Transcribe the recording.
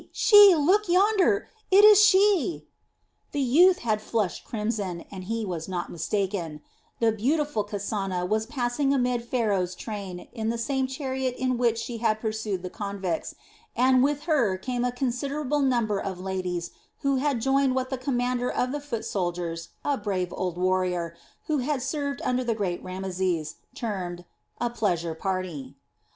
She! Look yonder! It is she!" The youth had flushed crimson, and he was not mistaken; the beautiful Kasana was passing amid Pharaoh's train in the same chariot in which she had pursued the convicts, and with her came a considerable number of ladies who had joined what the commander of the foot soldiers, a brave old warrior, who had served under the great Rameses, termed "a pleasure party."